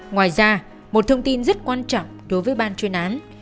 ngoài ra một thông tin rất quan trọng đối với ban chuyên án